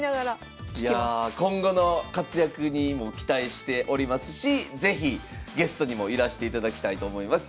今後の活躍にも期待しておりますし是非ゲストにもいらしていただきたいと思います。